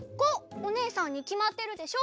おねえさんにきまってるでしょ。